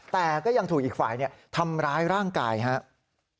แต่ก็ยังถูกอีกฝ่ายทำร้ายร่างกายครับ